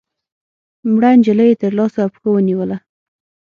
مړه نجلۍ يې تر لاسو او پښو ونيوله